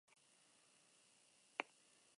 Tolosarrak jokaldia aurrelari bat bezala bukatu du.